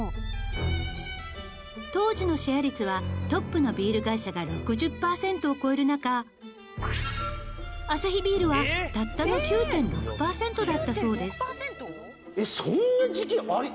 当時のシェア率はトップのビール会社が６０パーセントを超える中アサヒビールはたったの９．６パーセントだったそうです。